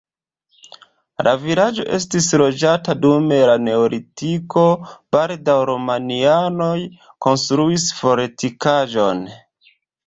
La vilaĝo estis loĝata dum la neolitiko, baldaŭ romianoj konstruis fortikaĵon.